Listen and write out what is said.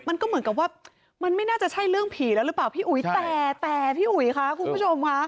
มันก็เหมือนกับว่ามันไม่น่าจะใช่เรื่องผีแล้วหรือเปล่าพี่อุ๋ยแต่แต่พี่อุ๋ยคะคุณผู้ชมค่ะ